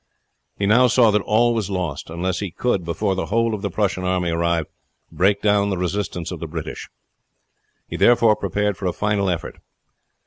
He now saw that all was lost unless he could, before the whole of the Prussian army arrived, break down the resistance of the British. He therefore prepared for a final effort.